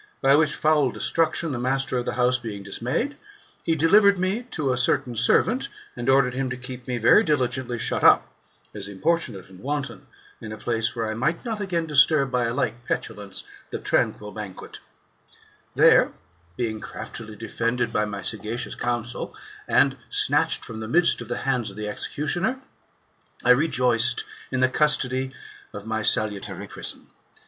By which foul destruction, the master of the house being dismayed, he delivered me to a certain servant, and ordered him to keep me very diligently shut up, as importunate and wanton, in a place where I might not again disturb, by a like petulance, the tranquil banquet There, being craftily defended by my sagacious counsel, and snatched from the midst of the hands of the executioner, I rejoiced in the custody of my salutary prison.